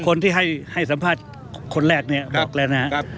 คนที่ให้สัมภาษณ์คนแรกเนี่ยบอกแล้วนะครับ